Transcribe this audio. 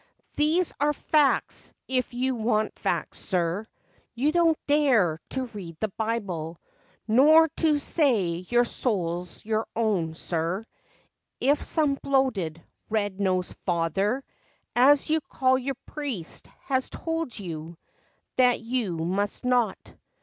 These are facts, if you want facts, sir! You don't dare to read the Bible, Nor to say your soul's your own, sir: If some bloated, red nosed * father,' As you call your priest, has told you That you must not.